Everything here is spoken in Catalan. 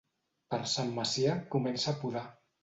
Per Sant Macià comença a podar.